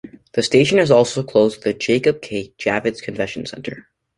The station is also close to the Jacob K. Javits Convention Center.